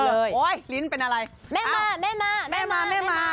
โอ๊ยลิ้นเป็นอะไรแม่มา